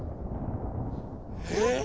えっ！